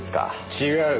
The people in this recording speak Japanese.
違う。